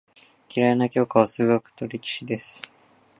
嫌いな教科は数学と歴史です。